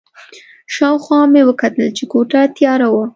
شا او خوا مې وکتل چې کوټه تیاره وه.